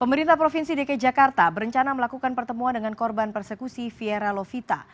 pemerintah provinsi dki jakarta berencana melakukan pertemuan dengan korban persekusi fiera lovita